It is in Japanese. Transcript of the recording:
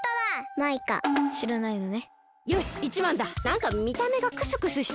なんかみためがクスクスしてない？